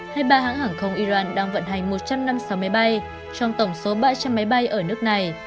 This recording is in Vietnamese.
hay ba hãng hàng không iran đang vận hành một trăm năm mươi sáu máy bay trong tổng số ba trăm linh máy bay ở nước này